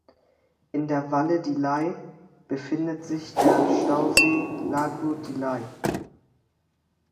In der Valle di Lei befindet sich der Stausee Lago di Lei.